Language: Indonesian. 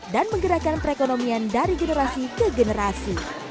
dan menggerakkan perekonomian dari generasi ke generasi